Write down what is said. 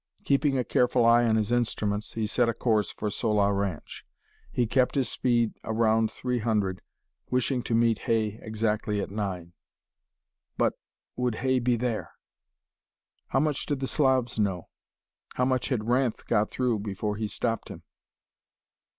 Keeping a careful eye on his instruments, he set a course for Sola Ranch. He kept his speed around three hundred, wishing to meet Hay exactly at nine. But would Hay be there? How much did the Slavs know? How much had Ranth got through before he stopped him?